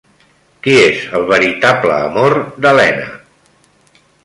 Qui és el veritable amor d'Elena?